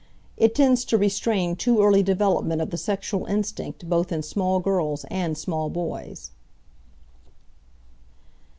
It tends to restrain too early development of the sexual instinct both in small girls and small boys.